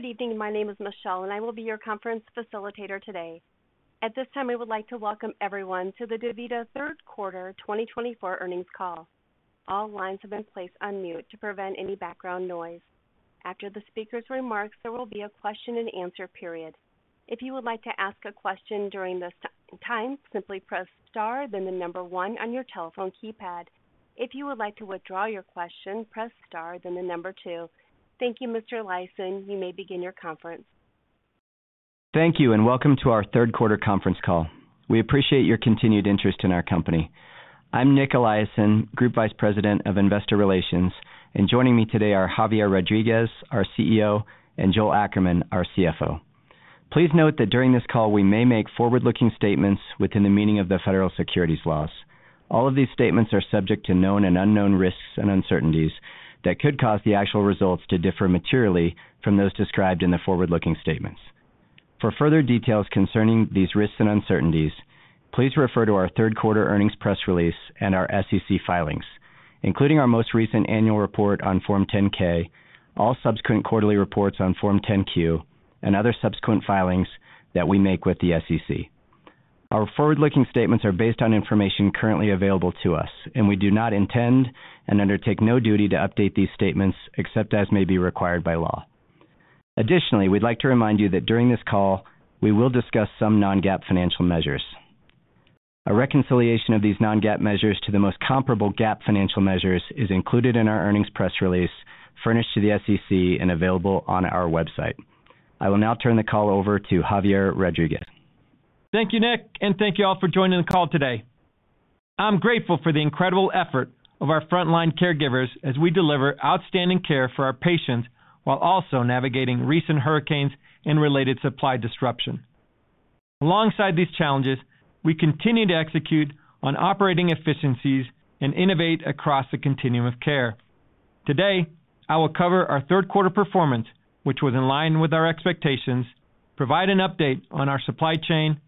Good evening. My name is Michelle, and I will be your conference facilitator today. At this time, I would like to welcome everyone to the DaVita Third Quarter 2024 Earnings Call. All lines have been placed on mute to prevent any background noise. After the speaker's remarks, there will be a question-and-answer period. If you would like to ask a question during this time, simply press star, then the number one on your telephone keypad. If you would like to withdraw your question, press star, then the number two. Thank you, Mr. Eliason. You may begin your conference. Thank you, and welcome to our third quarter conference call. We appreciate your continued interest in our company. I'm Nic Eliason, Group Vice President of Investor Relations, and joining me today are Javier Rodriguez, our CEO, and Joel Ackerman, our CFO. Please note that during this call, we may make forward-looking statements within the meaning of the federal securities laws. All of these statements are subject to known and unknown risks and uncertainties that could cause the actual results to differ materially from those described in the forward-looking statements. For further details concerning these risks and uncertainties, please refer to our third quarter earnings press release and our SEC filings, including our most recent annual report on Form 10-K, all subsequent quarterly reports on Form 10-Q, and other subsequent filings that we make with the SEC. Our forward-looking statements are based on information currently available to us, and we do not intend and undertake no duty to update these statements except as may be required by law. Additionally, we'd like to remind you that during this call, we will discuss some non-GAAP financial measures. A reconciliation of these non-GAAP measures to the most comparable GAAP financial measures is included in our earnings press release, furnished to the SEC, and available on our website. I will now turn the call over to Javier Rodriguez. Thank you, Nic, and thank you all for joining the call today. I'm grateful for the incredible effort of our frontline caregivers as we deliver outstanding care for our patients while also navigating recent hurricanes and related supply disruption. Alongside these challenges, we continue to execute on operating efficiencies and innovate across the continuum of care. Today, I will cover our third quarter performance, which was in line with our expectations, provide an update on our supply chain,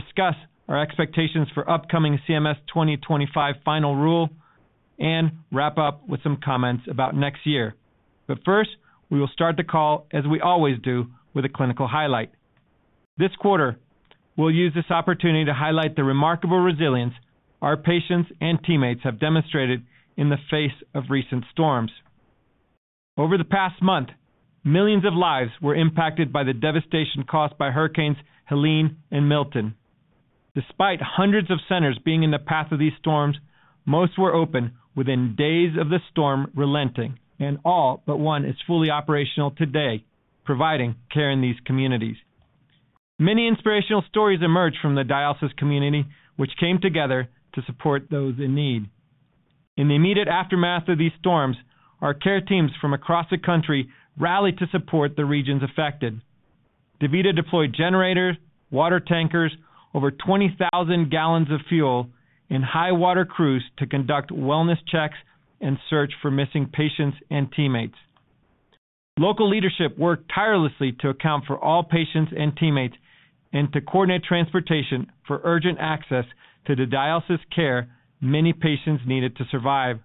discuss our expectations for upcoming CMS 2025 final rule, and wrap up with some comments about next year. But first, we will start the call, as we always do, with a clinical highlight. This quarter, we'll use this opportunity to highlight the remarkable resilience our patients and teammates have demonstrated in the face of recent storms. Over the past month, millions of lives were impacted by the devastation caused by hurricanes Helene and Milton. Despite hundreds of centers being in the path of these storms, most were open within days of the storm relenting, and all but one is fully operational today, providing care in these communities. Many inspirational stories emerged from the dialysis community, which came together to support those in need. In the immediate aftermath of these storms, our care teams from across the country rallied to support the regions affected. DaVita deployed generators, water tankers, over 20,000 gallons of fuel, and high-water crews to conduct wellness checks and search for missing patients and teammates. Local leadership worked tirelessly to account for all patients and teammates and to coordinate transportation for urgent access to the dialysis care many patients needed to survive.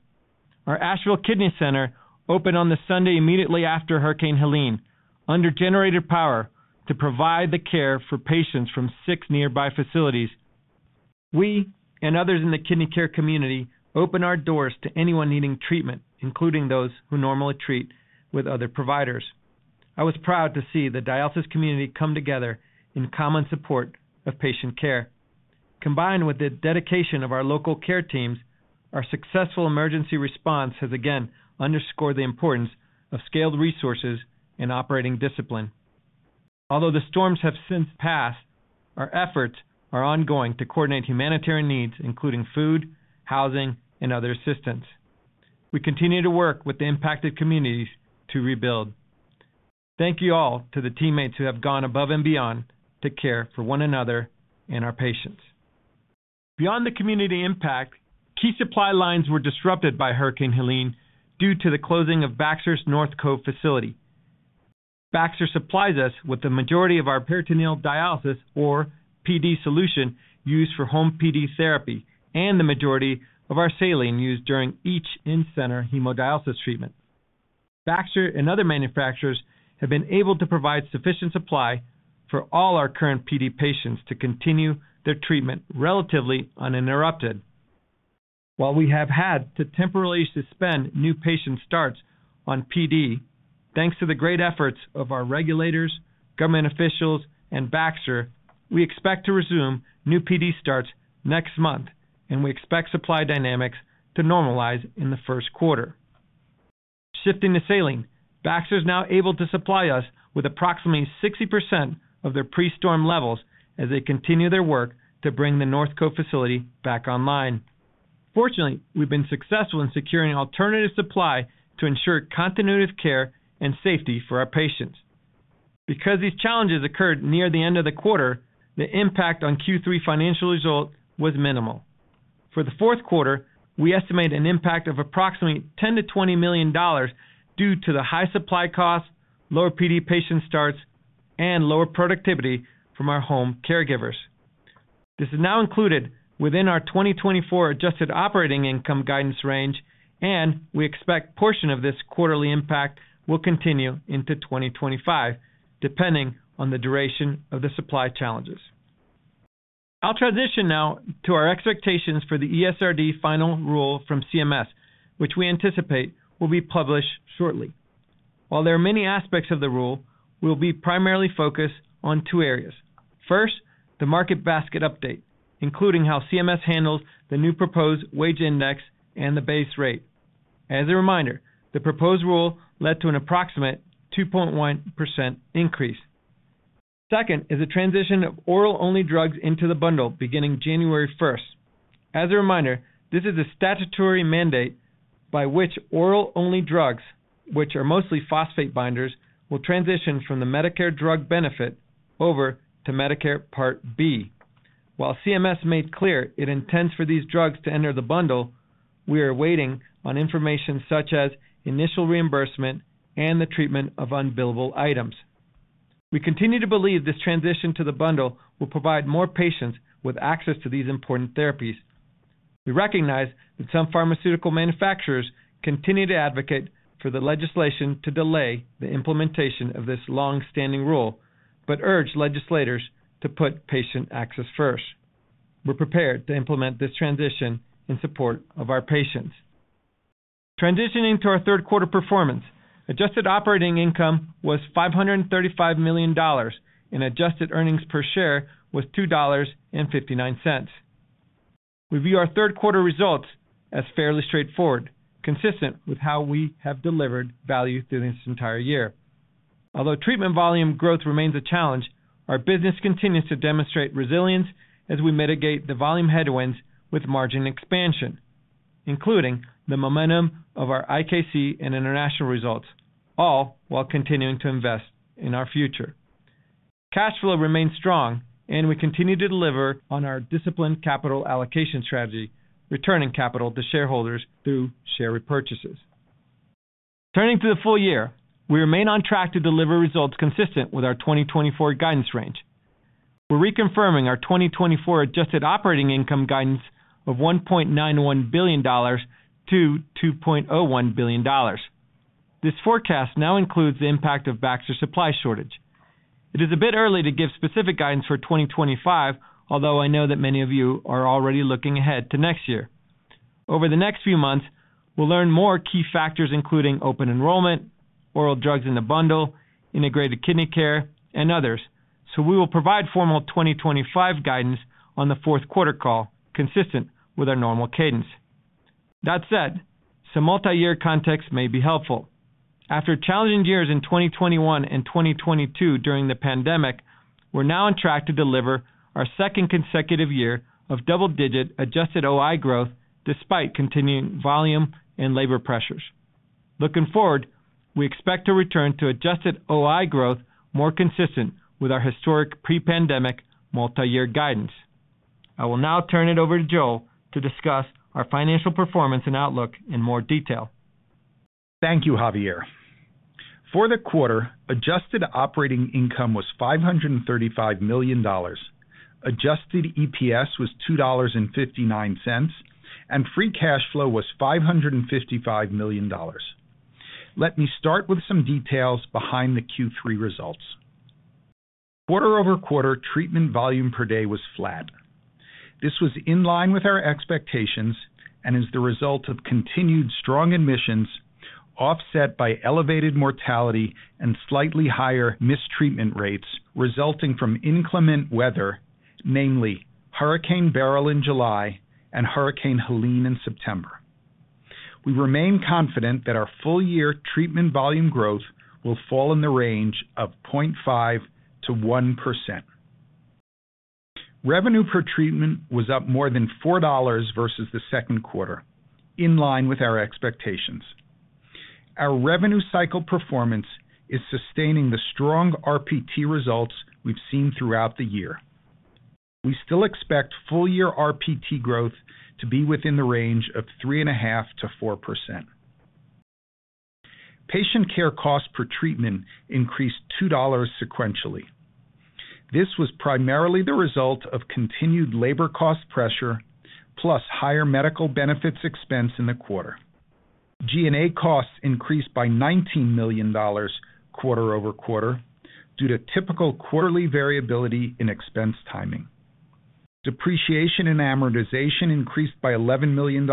Our Asheville Kidney Center opened on the Sunday immediately after Hurricane Helene under generator power to provide the care for patients from six nearby facilities. We and others in the kidney care community open our doors to anyone needing treatment, including those who normally treat with other providers. I was proud to see the dialysis community come together in common support of patient care. Combined with the dedication of our local care teams, our successful emergency response has again underscored the importance of scaled resources and operating discipline. Although the storms have since passed, our efforts are ongoing to coordinate humanitarian needs, including food, housing, and other assistance. We continue to work with the impacted communities to rebuild. Thank you all to the teammates who have gone above and beyond to care for one another and our patients. Beyond the community impact, key supply lines were disrupted by Hurricane Helene due to the closing of Baxter's North Cove facility. Baxter supplies us with the majority of our peritoneal dialysis, or PD solution, used for home PD therapy, and the majority of our saline used during each in-center hemodialysis treatment. Baxter and other manufacturers have been able to provide sufficient supply for all our current PD patients to continue their treatment relatively uninterrupted. While we have had to temporarily suspend new patient starts on PD, thanks to the great efforts of our regulators, government officials, and Baxter, we expect to resume new PD starts next month, and we expect supply dynamics to normalize in the first quarter. Shifting to saline, Baxter is now able to supply us with approximately 60% of their pre-storm levels as they continue their work to bring the North Cove facility back online. Fortunately, we've been successful in securing alternative supply to ensure continuity of care and safety for our patients. Because these challenges occurred near the end of the quarter, the impact on Q3 financial results was minimal. For the fourth quarter, we estimate an impact of approximately $10 million-$20 million due to the high supply costs, lower PD patient starts, and lower productivity from our home caregivers. This is now included within our 2024 adjusted operating income guidance range, and we expect a portion of this quarterly impact will continue into 2025, depending on the duration of the supply challenges. I'll transition now to our expectations for the ESRD final rule from CMS, which we anticipate will be published shortly. While there are many aspects of the rule, we'll be primarily focused on two areas. First, the market basket update, including how CMS handles the new proposed wage index and the base rate. As a reminder, the proposed rule led to an approximate 2.1% increase. Second is the transition of oral-only drugs into the bundle beginning January 1st. As a reminder, this is a statutory mandate by which oral-only drugs, which are mostly phosphate binders, will transition from the Medicare drug benefit over to Medicare Part B. While CMS made clear its intent for these drugs to enter the bundle, we are waiting on information such as initial reimbursement and the treatment of unbillable items. We continue to believe this transition to the bundle will provide more patients with access to these important therapies. We recognize that some pharmaceutical manufacturers continue to advocate for the legislation to delay the implementation of this long-standing rule, but urge legislators to put patient access first. We're prepared to implement this transition in support of our patients. Transitioning to our third quarter performance, adjusted operating income was $535 million, and adjusted earnings per share was $2.59. We view our third quarter results as fairly straightforward, consistent with how we have delivered value through this entire year. Although treatment volume growth remains a challenge, our business continues to demonstrate resilience as we mitigate the volume headwinds with margin expansion, including the momentum of our IKC and international results, all while continuing to invest in our future. Cash flow remains strong, and we continue to deliver on our disciplined capital allocation strategy, returning capital to shareholders through share repurchases. Turning to the full year, we remain on track to deliver results consistent with our 2024 guidance range. We're reconfirming our 2024 adjusted operating income guidance of $1.91 billion-$2.01 billion. This forecast now includes the impact of Baxter's supply shortage. It is a bit early to give specific guidance for 2025, although I know that many of you are already looking ahead to next year. Over the next few months, we'll learn more key factors, including open enrollment, oral drugs in the bundle, integrated kidney care, and others, so we will provide formal 2025 guidance on the fourth quarter call, consistent with our normal cadence. That said, some multi-year context may be helpful. After challenging years in 2021 and 2022 during the pandemic, we're now on track to deliver our second consecutive year of double-digit adjusted OI growth despite continuing volume and labor pressures. Looking forward, we expect to return to adjusted OI growth more consistent with our historic pre-pandemic multi-year guidance. I will now turn it over to Joel to discuss our financial performance and outlook in more detail. Thank you, Javier. For the quarter, adjusted operating income was $535 million, adjusted EPS was $2.59, and free cash flow was $555 million. Let me start with some details behind the Q3 results. Quarter over quarter, treatment volume per day was flat. This was in line with our expectations and is the result of continued strong admissions offset by elevated mortality and slightly higher missed treatment rates resulting from inclement weather, namely Hurricane Beryl in July and Hurricane Helene in September. We remain confident that our full-year treatment volume growth will fall in the range of 0.5%-1%. Revenue per treatment was up more than $4 versus the second quarter, in line with our expectations. Our revenue cycle performance is sustaining the strong RPT results we've seen throughout the year. We still expect full-year RPT growth to be within the range of 3.5%-4%. Patient care costs per treatment increased $2 sequentially. This was primarily the result of continued labor cost pressure, plus higher medical benefits expense in the quarter. G&A costs increased by $19 million quarter over quarter due to typical quarterly variability in expense timing. Depreciation and amortization increased by $11 million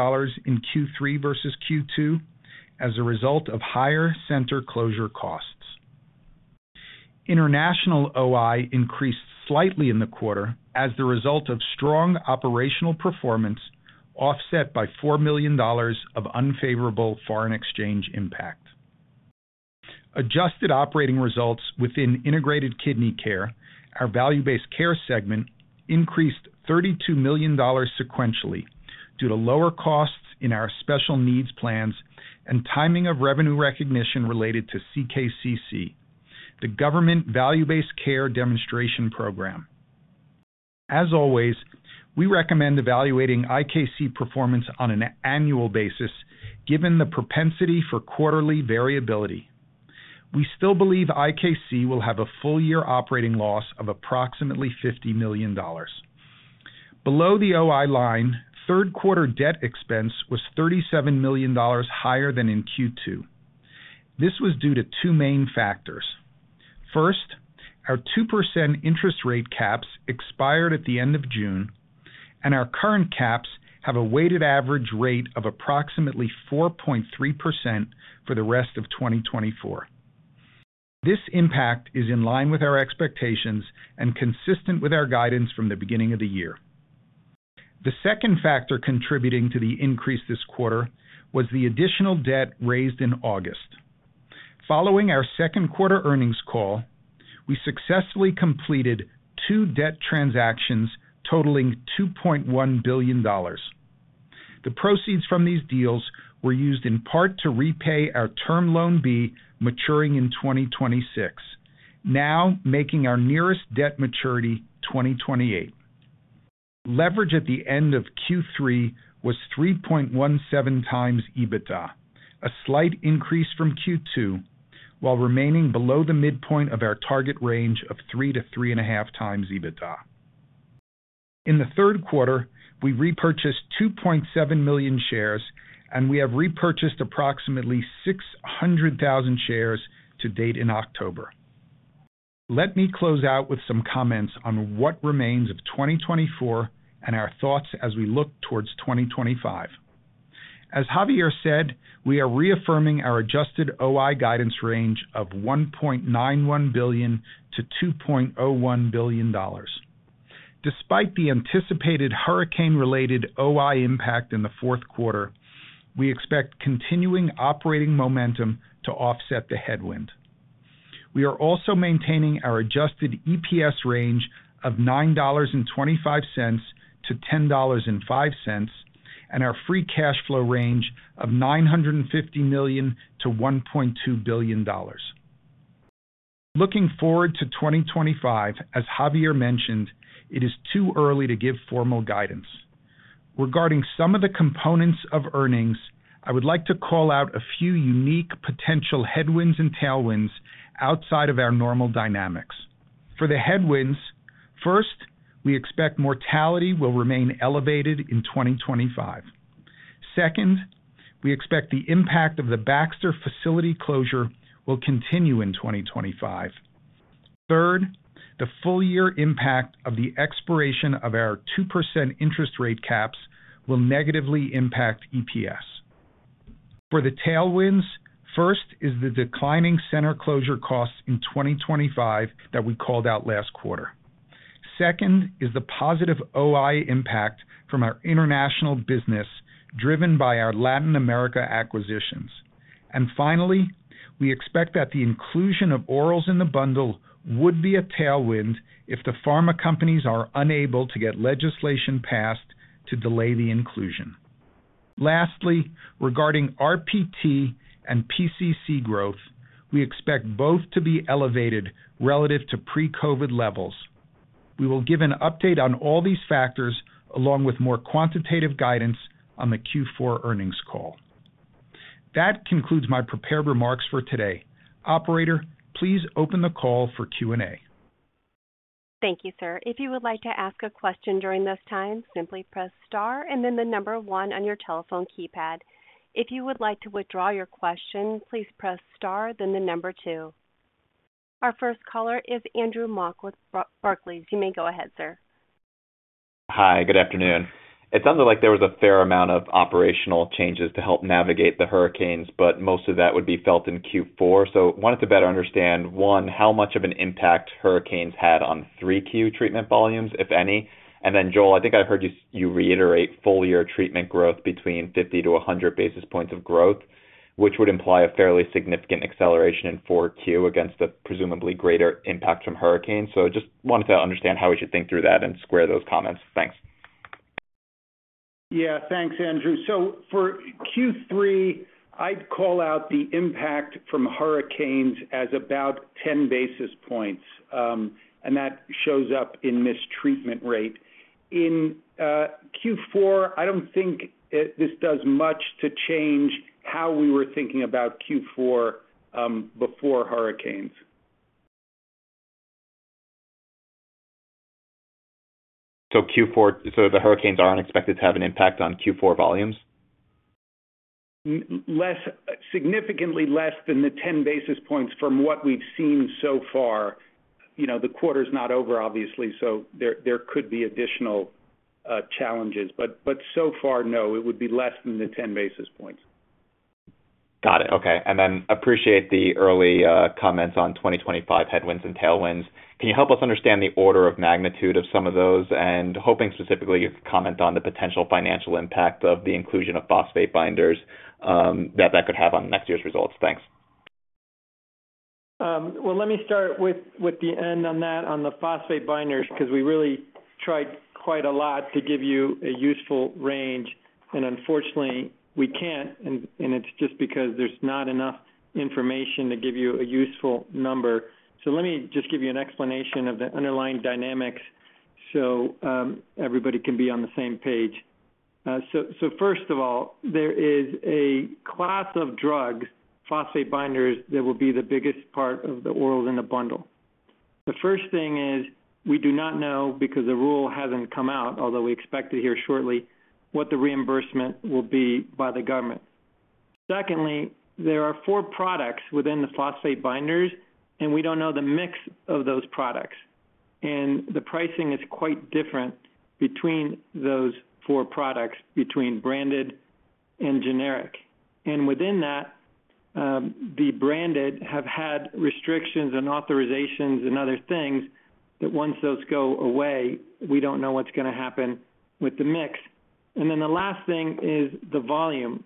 in Q3 versus Q2 as a result of higher center closure costs. International OI increased slightly in the quarter as the result of strong operational performance offset by $4 million of unfavorable foreign exchange impact. Adjusted operating results within Integrated Kidney Care, our value-based care segment, increased $32 million sequentially due to lower costs in our Special Needs Plans and timing of revenue recognition related to CKCC, the government value-based care demonstration program. As always, we recommend evaluating IKC performance on an annual basis given the propensity for quarterly variability. We still believe IKC will have a full-year operating loss of approximately $50 million. Below the OI line, third quarter debt expense was $37 million higher than in Q2. This was due to two main factors. First, our 2% interest rate caps expired at the end of June, and our current caps have a weighted average rate of approximately 4.3% for the rest of 2024. This impact is in line with our expectations and consistent with our guidance from the beginning of the year. The second factor contributing to the increase this quarter was the additional debt raised in August. Following our second quarter earnings call, we successfully completed two debt transactions totaling $2.1 billion. The proceeds from these deals were used in part to repay our Term Loan B maturing in 2026, now making our nearest debt maturity 2028. Leverage at the end of Q3 was 3.17 times EBITDA, a slight increase from Q2, while remaining below the midpoint of our target range of 3 to 3.5 times EBITDA. In the third quarter, we repurchased 2.7 million shares, and we have repurchased approximately 600,000 shares to date in October. Let me close out with some comments on what remains of 2024 and our thoughts as we look towards 2025. As Javier said, we are reaffirming our adjusted OI guidance range of $1.91 billion-$2.01 billion. Despite the anticipated hurricane-related OI impact in the fourth quarter, we expect continuing operating momentum to offset the headwind. We are also maintaining our adjusted EPS range of $9.25-$10.05 and our free cash flow range of $950 million-$1.2 billion. Looking forward to 2025, as Javier mentioned, it is too early to give formal guidance. Regarding some of the components of earnings, I would like to call out a few unique potential headwinds and tailwinds outside of our normal dynamics. For the headwinds, first, we expect mortality will remain elevated in 2025. Second, we expect the impact of the Baxter facility closure will continue in 2025. Third, the full-year impact of the expiration of our 2% interest rate caps will negatively impact EPS. For the tailwinds, first is the declining center closure costs in 2025 that we called out last quarter. Second is the positive OI impact from our international business driven by our Latin America acquisitions. And finally, we expect that the inclusion of orals in the bundle would be a tailwind if the pharma companies are unable to get legislation passed to delay the inclusion. Lastly, regarding RPT and PCC growth, we expect both to be elevated relative to pre-COVID levels. We will give an update on all these factors along with more quantitative guidance on the Q4 earnings call. That concludes my prepared remarks for today. Operator, please open the call for Q&A. Thank you, sir. If you would like to ask a question during this time, simply press star and then the number one on your telephone keypad. If you would like to withdraw your question, please press star then the number two. Our first caller is Andrew Mok with Barclays. You may go ahead, sir. Hi, good afternoon. It sounded like there was a fair amount of operational changes to help navigate the hurricanes, but most of that would be felt in Q4. So I wanted to better understand, one, how much of an impact hurricanes had on 3Q treatment volumes, if any. And then, Joel, I think I heard you reiterate full-year treatment growth between 50-100 basis points of growth, which would imply a fairly significant acceleration in 4Q against the presumably greater impact from hurricanes. So I just wanted to understand how we should think through that and square those comments. Thanks. Yeah, thanks, Andrew. So for Q3, I'd call out the impact from hurricanes as about 10 basis points, and that shows up in Missed Treatment Rate. In Q4, I don't think this does much to change how we were thinking about Q4 before hurricanes. Q4, so the hurricanes aren't expected to have an impact on Q4 volumes? Significantly less than the 10 basis points from what we've seen so far. The quarter's not over, obviously, so there could be additional challenges. But so far, no, it would be less than the 10 basis points. Got it. Okay. And then appreciate the early comments on 2025 headwinds and tailwinds. Can you help us understand the order of magnitude of some of those? And hoping specifically you could comment on the potential financial impact of the inclusion of phosphate binders that could have on next year's results. Thanks. Let me start with the end on that, on the phosphate binders, because we really tried quite a lot to give you a useful range, and unfortunately, we can't, and it's just because there's not enough information to give you a useful number, so let me just give you an explanation of the underlying dynamics so everybody can be on the same page, so first of all, there is a class of drugs, phosphate binders, that will be the biggest part of the orals in the bundle. The first thing is we do not know, because the rule hasn't come out, although we expect it here shortly, what the reimbursement will be by the government. Secondly, there are four products within the phosphate binders, and we don't know the mix of those products, and the pricing is quite different between those four products, between branded and generic. And within that, the branded have had restrictions and authorizations and other things that once those go away, we don't know what's going to happen with the mix. And then the last thing is the volume.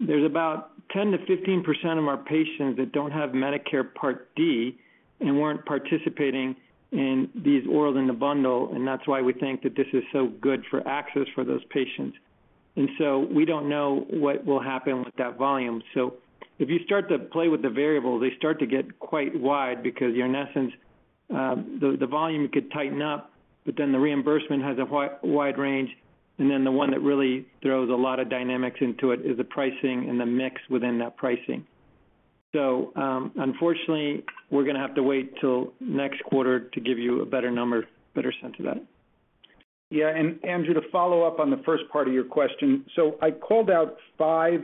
There's about 10%-15% of our patients that don't have Medicare Part D and weren't participating in these orals in the bundle, and that's why we think that this is so good for access for those patients. And so we don't know what will happen with that volume. So if you start to play with the variables, they start to get quite wide because in essence, the volume could tighten up, but then the reimbursement has a wide range, and then the one that really throws a lot of dynamics into it is the pricing and the mix within that pricing. Unfortunately, we're going to have to wait till next quarter to give you a better number, better sense of that. Yeah. And, Andrew, to follow up on the first part of your question, so I called out five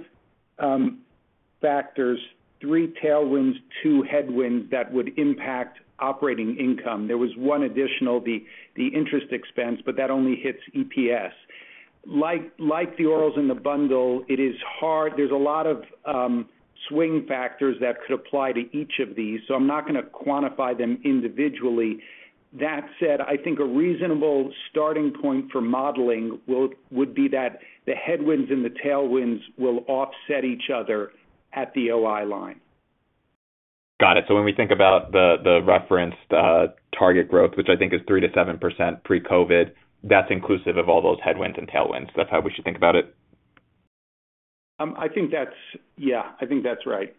factors, three tailwinds, two headwinds that would impact operating income. There was one additional, the interest expense, but that only hits EPS. Like the orals in the bundle, it is hard. There's a lot of swing factors that could apply to each of these, so I'm not going to quantify them individually. That said, I think a reasonable starting point for modeling would be that the headwinds and the tailwinds will offset each other at the OI line. Got it. So when we think about the referenced target growth, which I think is 3%-7% pre-COVID, that's inclusive of all those headwinds and tailwinds. That's how we should think about it? I think that's, yeah, I think that's right.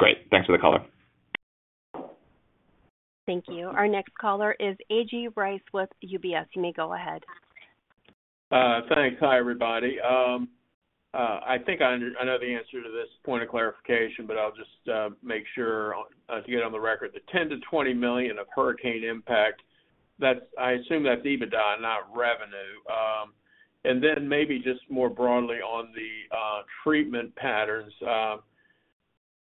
Great. Thanks for the caller. Thank you. Our next caller is A.J. Rice with UBS. You may go ahead. Thanks. Hi, everybody. I think I know the answer to this point of clarification, but I'll just make sure to get on the record. The $10 million-$20 million of hurricane impact, I assume that's EBITDA, not revenue. And then maybe just more broadly on the treatment patterns.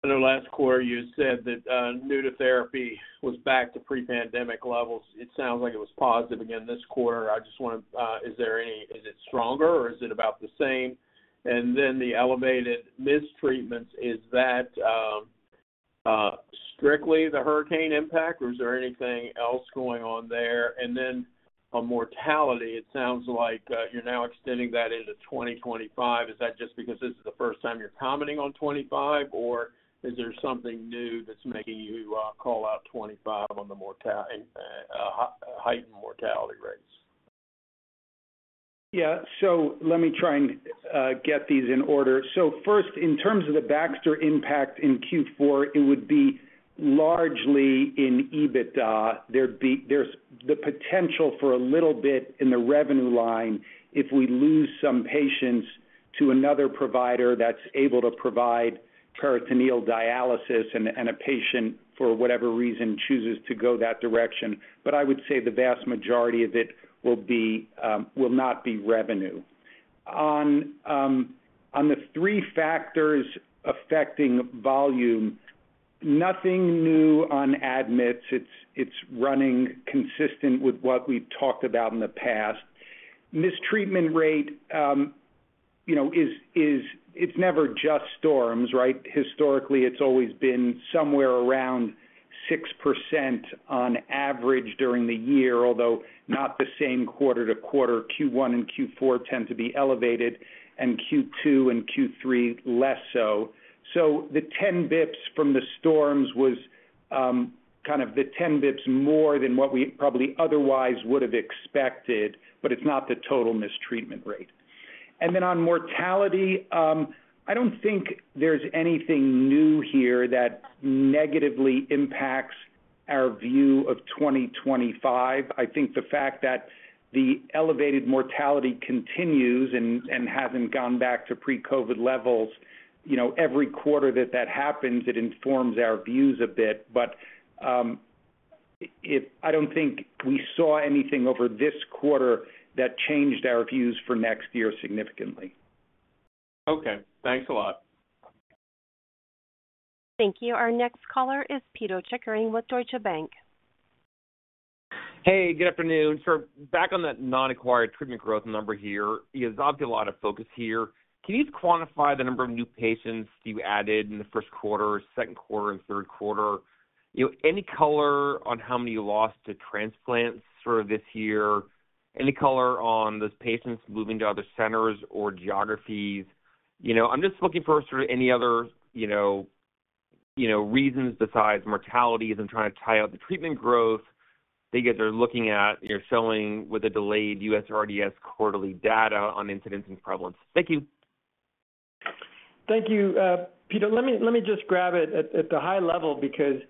In the last quarter, you said that non-acquired growth was back to pre-pandemic levels. It sounds like it was positive again this quarter. I just want to, is there any, is it stronger or is it about the same? And then the elevated missed treatments, is that strictly the hurricane impact, or is there anything else going on there? And then on mortality, it sounds like you're now extending that into 2025. Is that just because this is the first time you're commenting on 25, or is there something new that's making you call out 25 on the heightened mortality rates? Yeah. So let me try and get these in order. So first, in terms of the Baxter impact in Q4, it would be largely in EBITDA. There's the potential for a little bit in the revenue line if we lose some patients to another provider that's able to provide peritoneal dialysis, and a patient, for whatever reason, chooses to go that direction. But I would say the vast majority of it will not be revenue. On the three factors affecting volume, nothing new on admits. It's running consistent with what we've talked about in the past. Missed Treatment Rate, it's never just storms, right? Historically, it's always been somewhere around 6% on average during the year, although not the same quarter to quarter. Q1 and Q4 tend to be elevated, and Q2 and Q3 less so. So the 10 basis points from the storms was kind of the 10 basis points more than what we probably otherwise would have expected, but it's not the total missed treatment rate. And then on mortality, I don't think there's anything new here that negatively impacts our view of 2025. I think the fact that the elevated mortality continues and hasn't gone back to pre-COVID levels, every quarter that that happens, it informs our views a bit. But I don't think we saw anything over this quarter that changed our views for next year significantly. Okay. Thanks a lot. Thank you. Our next caller is Pito Chickering with Deutsche Bank. Hey, good afternoon. So back on that non-acquired treatment growth number here, there's obviously a lot of focus here. Can you quantify the number of new patients you added in the first quarter, second quarter, and third quarter? Any color on how many you lost to transplants for this year? Any color on those patients moving to other centers or geographies? I'm just looking for sort of any other reasons besides mortality. I'm trying to tie out the treatment growth. I think as you're looking at, you're showing with the delayed USRDS quarterly data on incidence and prevalence. Thank you. Thank you. Pito, let me just grab it at the high level because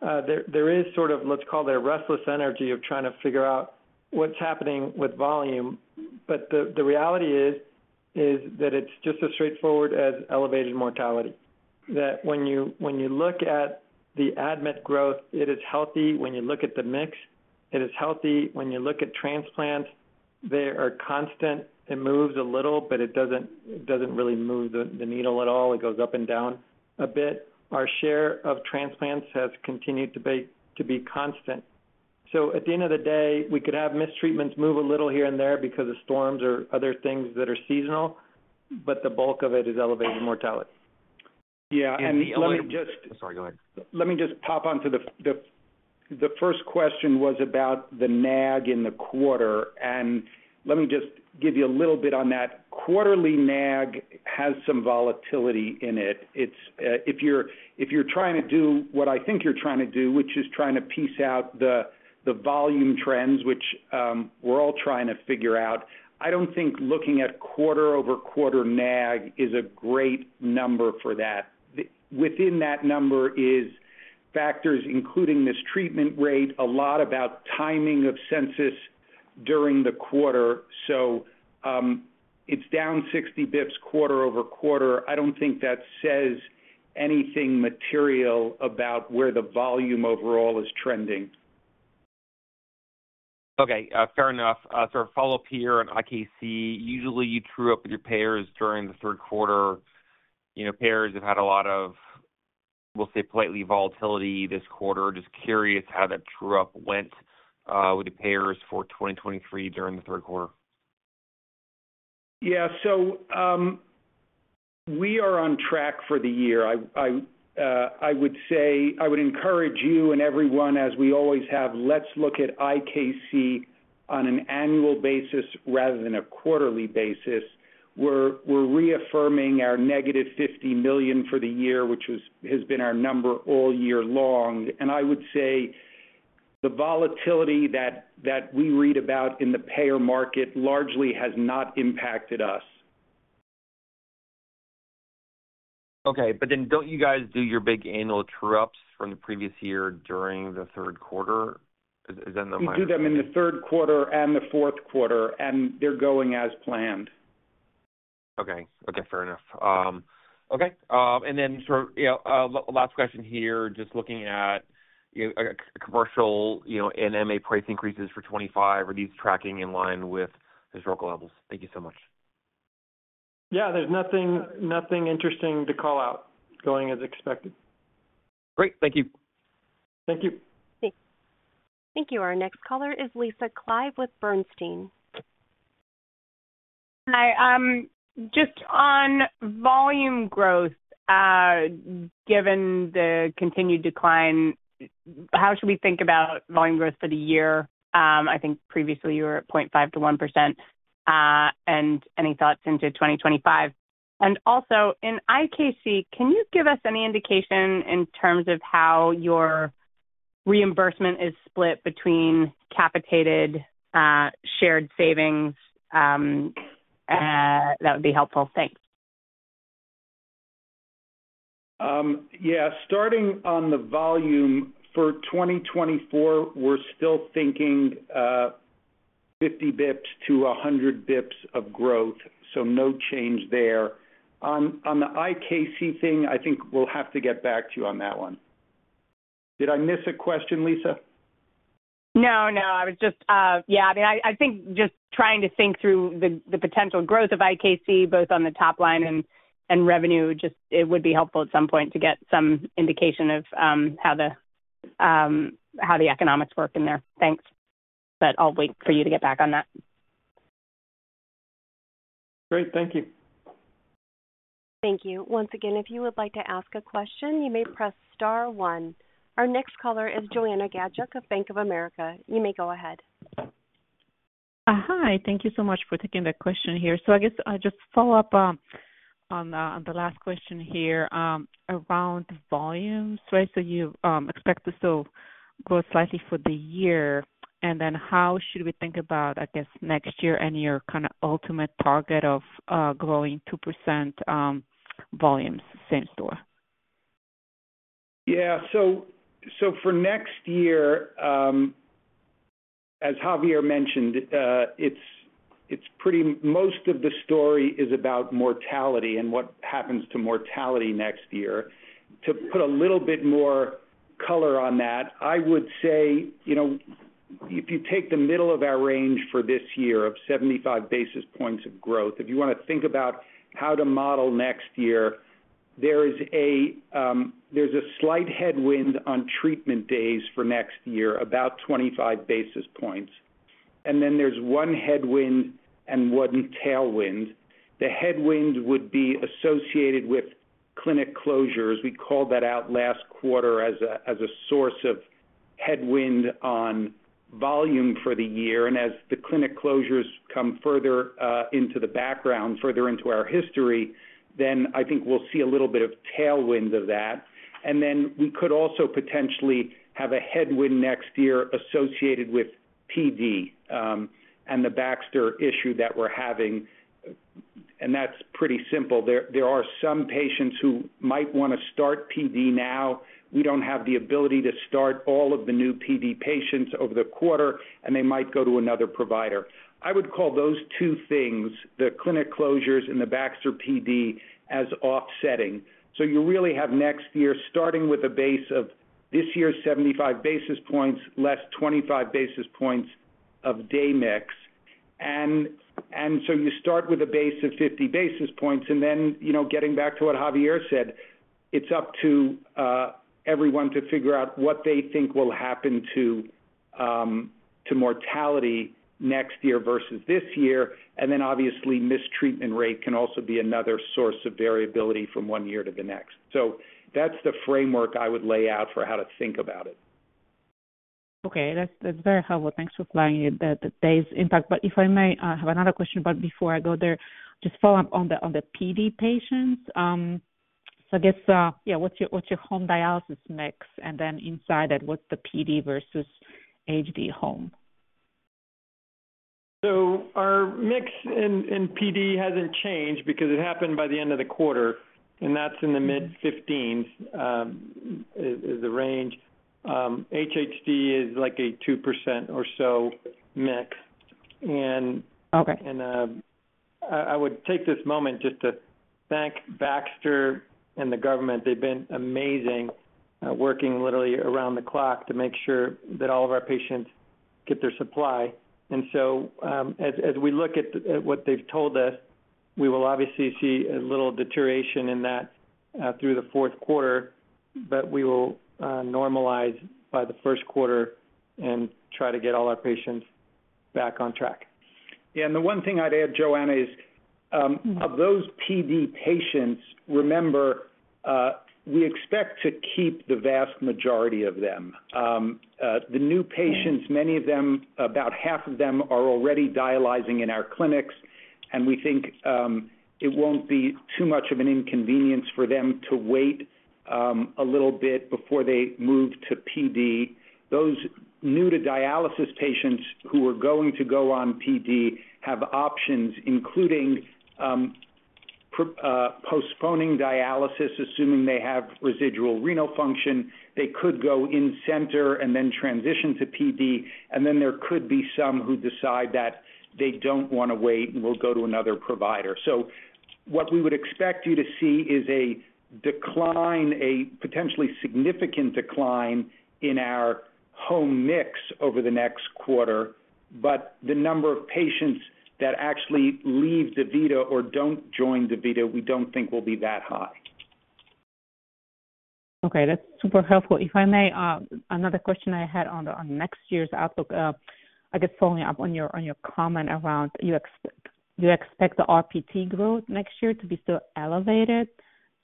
there is sort of, let's call it a restless energy of trying to figure out what's happening with volume. But the reality is that it's just as straightforward as elevated mortality. That when you look at the admit growth, it is healthy. When you look at the mix, it is healthy. When you look at transplants, they are constant. It moves a little, but it doesn't really move the needle at all. It goes up and down a bit. Our share of transplants has continued to be constant. So at the end of the day, we could have missed treatments move a little here and there because of storms or other things that are seasonal, but the bulk of it is elevated mortality. Yeah. And let me just. Sorry, go ahead. Let me just pop onto the first question was about the NAG in the quarter, and let me just give you a little bit on that. Quarterly NAG has some volatility in it. If you're trying to do what I think you're trying to do, which is trying to piece out the volume trends, which we're all trying to figure out, I don't think looking at quarter-over-quarter NAG is a great number for that. Within that number is factors including Missed Treatment Rate, a lot about timing of census during the quarter. So it's down 60 basis points quarter-over-quarter. I don't think that says anything material about where the volume overall is trending. Okay. Fair enough. Sort of follow-up here on IKC. Usually, you true up with your payers during the third quarter. Payers have had a lot of, we'll say, payer-level volatility this quarter. Just curious how that true-up went with the payers for 2023 during the third quarter. Yeah. So we are on track for the year. I would say I would encourage you and everyone, as we always have, let's look at IKC on an annual basis rather than a quarterly basis. We're reaffirming our -$50 million for the year, which has been our number all year long. And I would say the volatility that we read about in the payer market largely has not impacted us. Okay. But then don't you guys do your big annual true-ups from the previous year during the third quarter? Is that the? We do them in the third quarter and the fourth quarter, and they're going as planned. Okay. Fair enough. Okay. And then sort of last question here, just looking at commercial and MA price increases for 2025, are these tracking in line with historical levels? Thank you so much. Yeah. There's nothing interesting to call out. Going as expected. Great. Thank you. Thank you. Thank you. Our next caller is Lisa Clive with Bernstein. Hi. Just on volume growth, given the continued decline, how should we think about volume growth for the year? I think previously you were at 0.5%-1%. And any thoughts into 2025? And also in IKC, can you give us any indication in terms of how your reimbursement is split between capitated, shared savings? That would be helpful. Thanks. Yeah. Starting on the volume for 2024, we're still thinking 50-100 basis points of growth. So no change there. On the IKC thing, I think we'll have to get back to you on that one. Did I miss a question, Lisa? No, no. I was just, yeah. I mean, I think just trying to think through the potential growth of IKC, both on the top line and revenue, just it would be helpful at some point to get some indication of how the economics work in there. Thanks. But I'll wait for you to get back on that. Great. Thank you. Thank you. Once again, if you would like to ask a question, you may press star one. Our next caller is Joanna Gajuk of Bank of America. You may go ahead. Hi. Thank you so much for taking the question here. So I guess I'll just follow up on the last question here around volumes, right? So you expect this to grow slightly for the year. And then how should we think about, I guess, next year and your kind of ultimate target of growing 2% volumes same store? Yeah. So for next year, as Javier mentioned, most of the story is about mortality and what happens to mortality next year. To put a little bit more color on that, I would say if you take the middle of our range for this year of 75 basis points of growth, if you want to think about how to model next year, there's a slight headwind on treatment days for next year, about 25 basis points. And then there's one headwind and one tailwind. The headwind would be associated with clinic closures. We called that out last quarter as a source of headwind on volume for the year. And as the clinic closures come further into the background, further into our history, then I think we'll see a little bit of tailwind of that. And then we could also potentially have a headwind next year associated with PD and the Baxter issue that we're having. And that's pretty simple. There are some patients who might want to start PD now. We don't have the ability to start all of the new PD patients over the quarter, and they might go to another provider. I would call those two things, the clinic closures and the Baxter PD, as offsetting. So you really have next year starting with a base of this year's 75 basis points, less 25 basis points of day mix. And so you start with a base of 50 basis points. And then getting back to what Javier said, it's up to everyone to figure out what they think will happen to mortality next year versus this year. Obviously, Missed Treatment Rate can also be another source of variability from one year to the next. That's the framework I would lay out for how to think about it. Okay. That's very helpful. Thanks for flagging the day's impact. But if I may have another question, but before I go there, just follow up on the PD patients. So I guess, yeah, what's your home dialysis mix? And then inside that, what's the PD versus HD home? So our mix in PD hasn't changed because it happened by the end of the quarter. And that's in the mid-15s% is the range. HHD is like a 2% or so mix. And I would take this moment just to thank Baxter and the government. They've been amazing, working literally around the clock to make sure that all of our patients get their supply. And so as we look at what they've told us, we will obviously see a little deterioration in that through the fourth quarter, but we will normalize by the first quarter and try to get all our patients back on track. Yeah. And the one thing I'd add, Joanna, is of those PD patients, remember, we expect to keep the vast majority of them. The new patients, many of them, about half of them are already dialyzing in our clinics, and we think it won't be too much of an inconvenience for them to wait a little bit before they move to PD. Those new-to-dialysis patients who are going to go on PD have options, including postponing dialysis, assuming they have residual renal function. They could go in-center and then transition to PD. And then there could be some who decide that they don't want to wait and will go to another provider. So what we would expect you to see is a decline, a potentially significant decline in our home mix over the next quarter. But the number of patients that actually leave DaVita or don't join DaVita, we don't think will be that high. Okay. That's super helpful. If I may, another question I had on next year's outlook, I guess following up on your comment around you expect the RPT growth next year to be still elevated.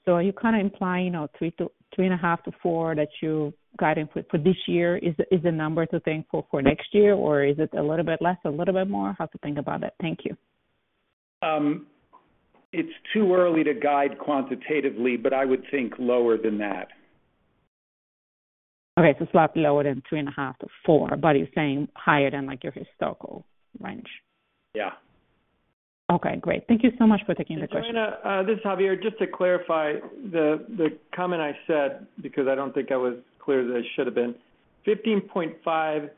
So are you kind of implying 3.5-4 that you're guiding for this year is the number to think for next year, or is it a little bit less, a little bit more? How to think about that? Thank you. It's too early to guide quantitatively, but I would think lower than that. Okay. So slightly lower than three and a half to four, but you're saying higher than your historical range. Yeah. Okay. Great. Thank you so much for taking the question. Joanna, this is Javier. Just to clarify the comment I said because I don't think I was clear that I should have been. 15.5%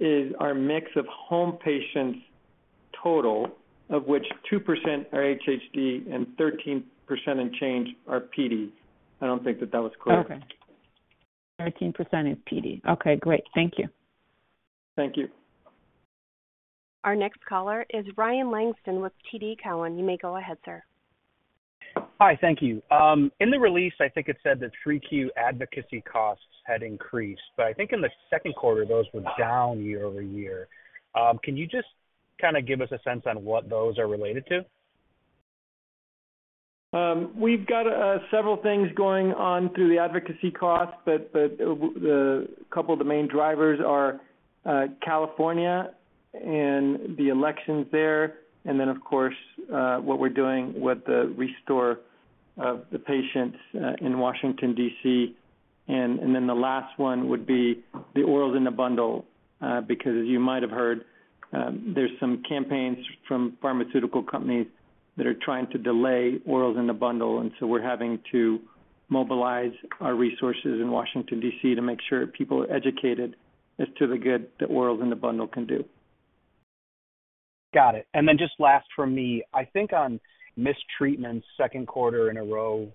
is our mix of home patients total, of which 2% are HHD and 13% and change are PD. I don't think that that was clear. Okay. 13% is PD. Okay. Great. Thank you. Thank you. Our next caller is Ryan Langston with TD Cowen. You may go ahead, sir. Hi. Thank you. In the release, I think it said that our advocacy costs had increased. But I think in the second quarter, those were down year-over-year. Can you just kind of give us a sense on what those are related to? We've got several things going on through the advocacy costs, but a couple of the main drivers are California and the elections there, and then, of course, what we're doing with the restore of the patients in Washington, D.C., and then the last one would be the orals in the bundle because, as you might have heard, there's some campaigns from pharmaceutical companies that are trying to delay orals in the bundle, and so we're having to mobilize our resources in Washington, D.C. to make sure people are educated as to the good that orals in the bundle can do. Got it. And then just last from me, I think on missed treatment, second quarter in a row,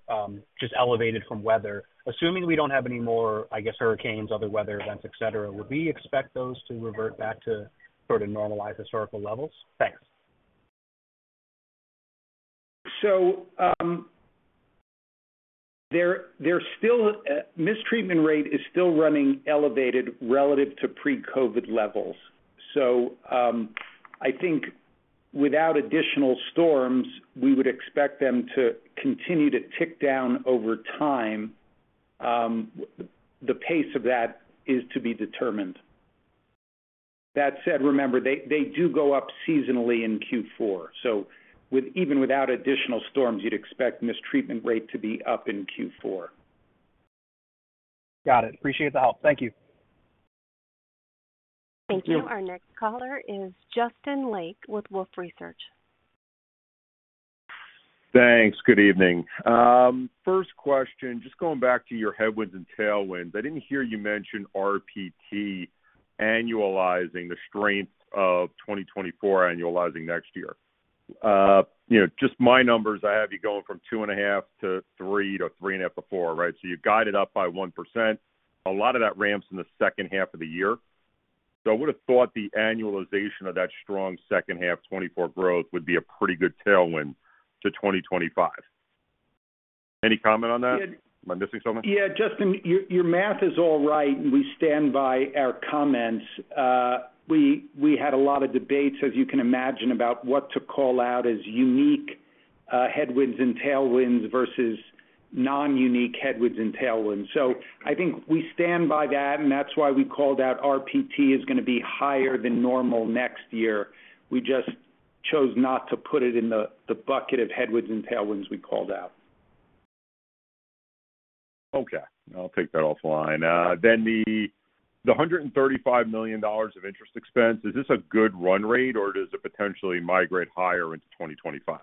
just elevated from weather. Assuming we don't have any more, I guess, hurricanes, other weather events, etc., would we expect those to revert back to sort of normalized historical levels? Thanks. So their missed treatment rate is still running elevated relative to pre-COVID levels. So I think without additional storms, we would expect them to continue to tick down over time. The pace of that is to be determined. That said, remember, they do go up seasonally in Q4. So even without additional storms, you'd expect missed treatment rate to be up in Q4. Got it. Appreciate the help. Thank you. Thank you. Our next caller is Justin Lake with Wolfe Research. Thanks. Good evening. First question, just going back to your headwinds and tailwinds. I didn't hear you mention RPT annualizing, the strength of 2024 annualizing next year. Just my numbers, I have you going from 2.5%-3%-3.5%-4%, right? So you guide it up by 1%. A lot of that ramps in the second half of the year. So I would have thought the annualization of that strong second half 2024 growth would be a pretty good tailwind to 2025. Any comment on that? Am I missing something? Yeah. Justin, your math is all right, and we stand by our comments. We had a lot of debates, as you can imagine, about what to call out as unique headwinds and tailwinds versus non-unique headwinds and tailwinds. So I think we stand by that, and that's why we called out RPT is going to be higher than normal next year. We just chose not to put it in the bucket of headwinds and tailwinds we called out. Okay. I'll take that offline. Then the $135 million of interest expense, is this a good run rate, or does it potentially migrate higher into 2025?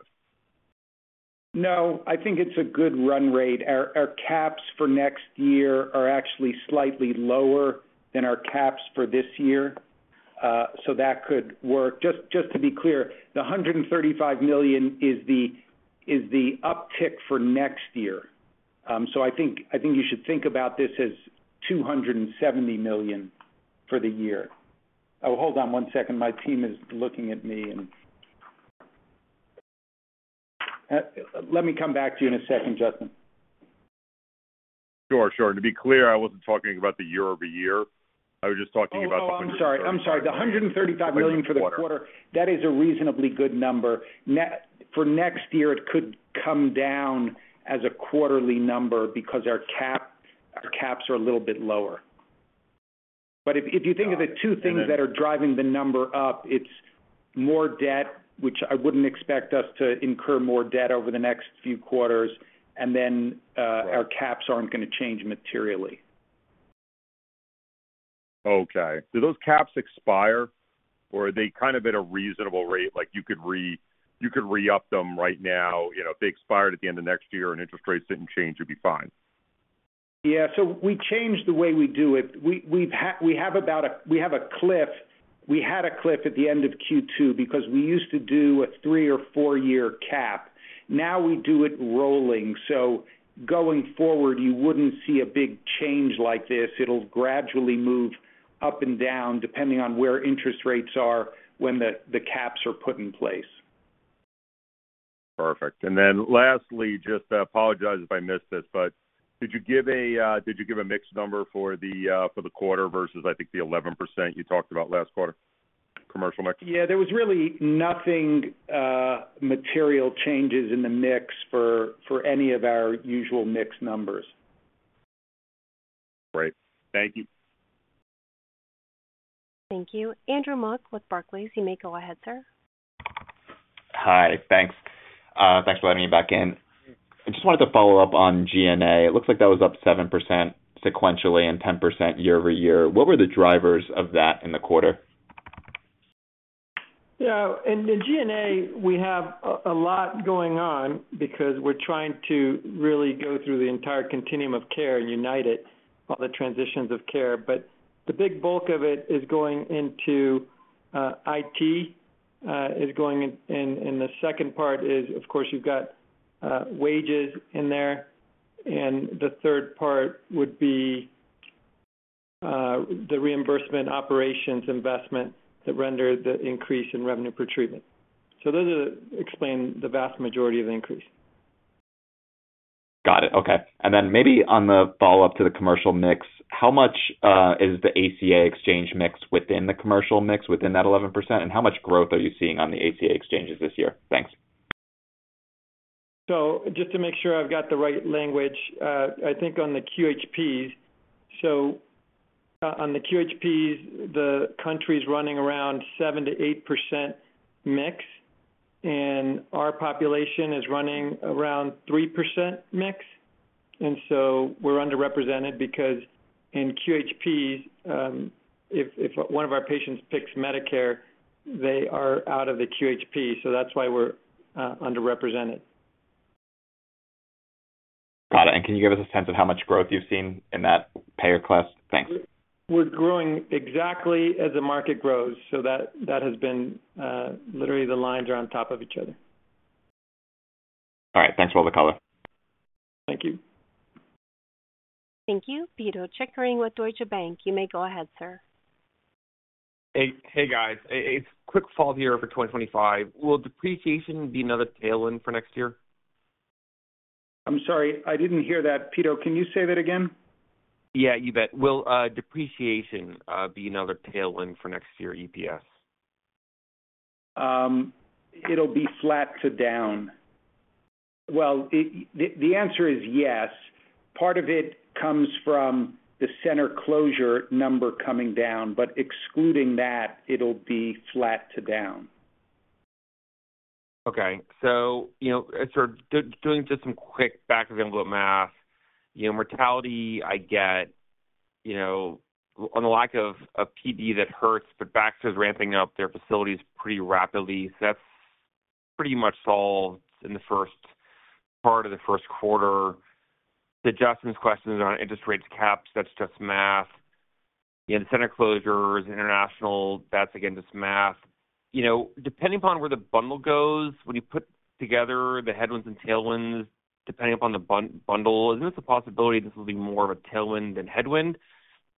No. I think it's a good run rate. Our caps for next year are actually slightly lower than our caps for this year. So that could work. Just to be clear, the $135 million is the uptick for next year. So I think you should think about this as $270 million for the year. Oh, hold on one second. My team is looking at me, and let me come back to you in a second, Justin. Sure, sure, and to be clear, I wasn't talking about the year-over-year. I was just talking about the $135 million. Oh, sorry. I'm sorry. The $135 million for the quarter, that is a reasonably good number. For next year, it could come down as a quarterly number because our caps are a little bit lower. But if you think of the two things that are driving the number up, it's more debt, which I wouldn't expect us to incur more debt over the next few quarters. And then our caps aren't going to change materially. Okay. Do those caps expire, or are they kind of at a reasonable rate? You could re-up them right now. If they expired at the end of next year and interest rates didn't change, it'd be fine. Yeah. So we changed the way we do it. We have a cliff. We had a cliff at the end of Q2 because we used to do a three- or four-year cap. Now we do it rolling. So going forward, you wouldn't see a big change like this. It'll gradually move up and down depending on where interest rates are when the caps are put in place. Perfect. And then lastly, just apologize if I missed this, but did you give a mixed number for the quarter versus, I think, the 11% you talked about last quarter commercial mix? Yeah. There were really no material changes in the mix for any of our usual mix numbers. Great. Thank you. Thank you. Andrew Mok with Barclays. You may go ahead, sir. Hi. Thanks. Thanks for letting me back in. I just wanted to follow up on G&A. It looks like that was up 7% sequentially and 10% year-over-year. What were the drivers of that in the quarter? Yeah. In the G&A, we have a lot going on because we're trying to really go through the entire continuum of care and unite it, all the transitions of care. But the big bulk of it is going into IT, is going in. And the second part is, of course, you've got wages in there. And the third part would be the reimbursement operations investment that rendered the increase in revenue per treatment. So those explain the vast majority of the increase. Got it. Okay. And then maybe on the follow-up to the commercial mix, how much is the ACA Exchange mix within the commercial mix within that 11%? And how much growth are you seeing on the ACA Exchanges this year? Thanks. Just to make sure I've got the right language, I think on the QHPs, so on the QHPs, the country's running around 7%-8% mix, and our population is running around 3% mix. We're underrepresented because in QHPs, if one of our patients picks Medicare, they are out of the QHP. That's why we're underrepresented. Got it. And can you give us a sense of how much growth you've seen in that payer class? Thanks. We're growing exactly as the market grows. So that has been literally. The lines are on top of each other. All right. Thanks for all the color. Thank you. Thank you. Pito Chickering with Deutsche Bank. You may go ahead, sir. Hey, guys. A quick follow-up here for 2025. Will depreciation be another tailwind for next year? I'm sorry. I didn't hear that. Pito, can you say that again? Yeah, you bet. Will depreciation be another tailwind for next year EPS? It'll be flat to down. Well, the answer is yes. Part of it comes from the center closure number coming down. But excluding that, it'll be flat to down. Okay. So sort of doing just some quick back-of-the-envelope math, mortality, I get, on the lack of PD that hurts, but Baxter's ramping up their facilities pretty rapidly. So that's pretty much solved in the first part of the first quarter. To Justin's question on interest rates caps, that's just math. The center closure is international. That's, again, just math. Depending upon where the bundle goes, when you put together the headwinds and tailwinds, depending upon the bundle, isn't it a possibility this will be more of a tailwind than headwind?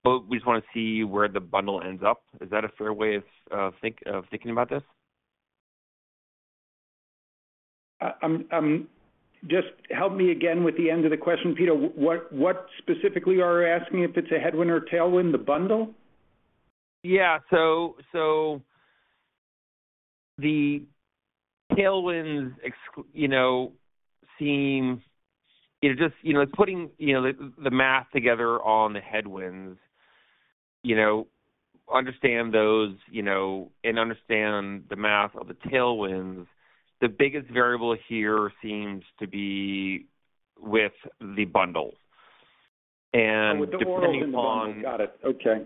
But we just want to see where the bundle ends up. Is that a fair way of thinking about this? Just help me again with the end of the question, Pito. What specifically are you asking if it's a headwind or tailwind, the bundle? Yeah. So the tailwinds seem just putting the math together on the headwinds, understand those, and understand the math of the tailwinds. The biggest variable here seems to be with the bundle. And depending upon. Oh, with the bundle. Got it. Okay.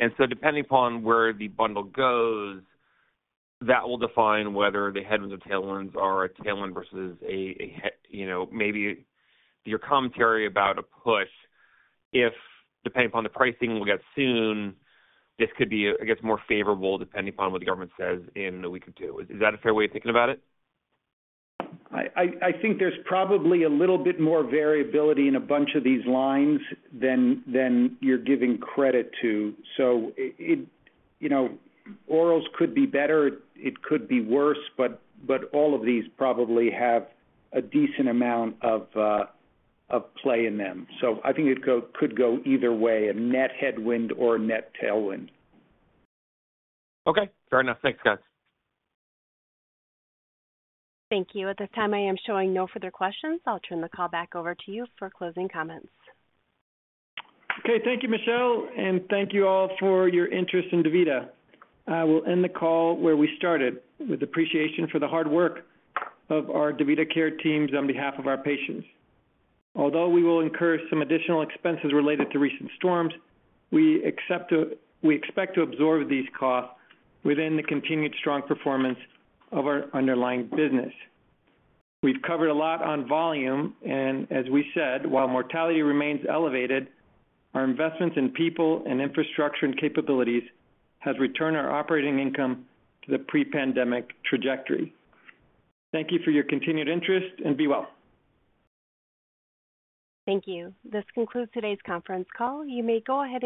And so depending upon where the bundle goes, that will define whether the headwinds or tailwinds are a tailwind versus a maybe your commentary about a push. Depending upon the pricing we'll get soon, this could be, I guess, more favorable depending upon what the government says in a week or two. Is that a fair way of thinking about it? I think there's probably a little bit more variability in a bunch of these lines than you're giving credit to. So orals could be better. It could be worse. But all of these probably have a decent amount of play in them. So I think it could go either way, a net headwind or a net tailwind. Okay. Fair enough. Thanks, guys. Thank you. At this time, I am showing no further questions. I'll turn the call back over to you for closing comments. Okay. Thank you, Michelle. And thank you all for your interest in DaVita. I will end the call where we started with appreciation for the hard work of our DaVitaCare teams on behalf of our patients. Although we will incur some additional expenses related to recent storms, we expect to absorb these costs within the continued strong performance of our underlying business. We've covered a lot on volume. And as we said, while mortality remains elevated, our investments in people and infrastructure and capabilities have returned our operating income to the pre-pandemic trajectory. Thank you for your continued interest and be well. Thank you. This concludes today's conference call. You may go ahead.